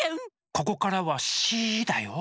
ここからはシーだよ。